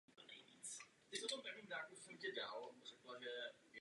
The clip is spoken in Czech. Styl budov je ve stylu francouzských čtvrtí.